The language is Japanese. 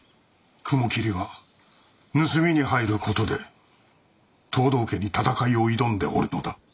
雲霧は盗みに入る事で藤堂家に戦いを挑んでおるのだ。